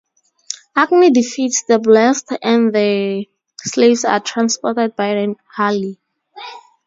Agni defeats the blessed and the slaves are transported by an ally.